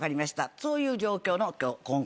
そういう状況の今回。